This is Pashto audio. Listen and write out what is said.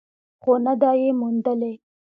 خو نه ده یې موندلې.